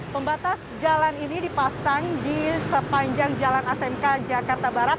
pembatas jalan ini dipasang di sepanjang jalan asmk jakarta barat